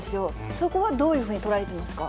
そこはどういうふうに捉えてます